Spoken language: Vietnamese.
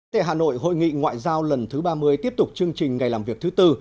tại hà nội hội nghị ngoại giao lần thứ ba mươi tiếp tục chương trình ngày làm việc thứ tư